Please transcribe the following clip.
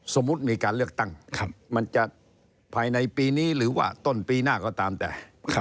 สมมุติมีการเลือกตั้งมันจะภายในปีนี้หรือว่าต้นปีหน้าก็ตามแต่